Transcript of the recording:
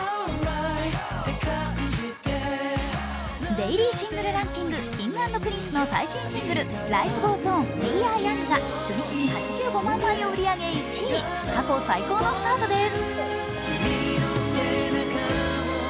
デイリーシングルランキング、Ｋｉｎｇ＆Ｐｒｉｎｃｅの「Ｌｉｆｅｇｏｅｓｏｎ／Ｗｅａｒｅｙｏｕｎｇ」が初日に８５万枚を売り上げ１位、過去最高のスタートです。